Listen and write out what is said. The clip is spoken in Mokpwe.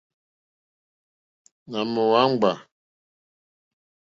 Nà mò wàŋɡbá.